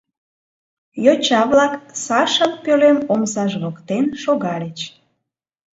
Йоча-влак Сашан пӧлем омсаж воктен шогальыч.